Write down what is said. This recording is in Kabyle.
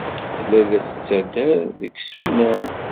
Tella la d-tettader deg yisunan.